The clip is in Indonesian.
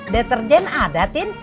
deterjen ada tin